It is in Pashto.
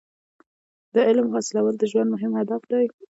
• د علم حاصلول د ژوند مهم هدف دی.